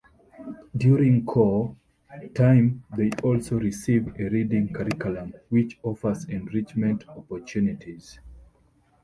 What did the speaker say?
During "core" time they also receive a reading curriculum, which offers enrichment opportunities.